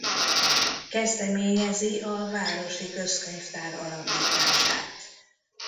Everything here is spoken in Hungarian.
Kezdeményezi a városi közkönyvtár alapítását.